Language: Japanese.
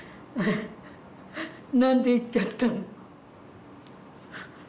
何で逝っちゃったの。